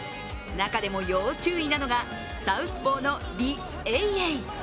中でも要注意なのがサウスポーの李盈瑩。